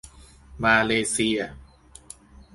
มาเลเซีย